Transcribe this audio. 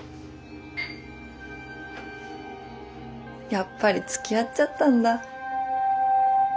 やっぱりつきあっちゃったんだ。